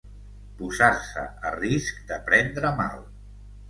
Posar-se a risc de prendre mal.